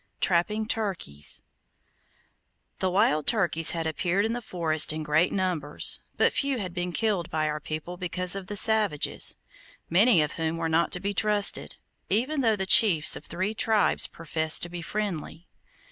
TRAPPING TURKEYS The wild turkeys had appeared in the forest in great numbers, but few had been killed by our people because of the savages, many of whom were not to be trusted, even though the chiefs of three tribes professed to be friendly.